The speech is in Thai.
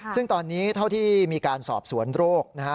ซึ่งตอนนี้เท่าที่มีการสอบสวนโรคนะฮะ